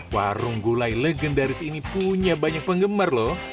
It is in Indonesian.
warung gulai legendaris ini punya banyak penggemar lho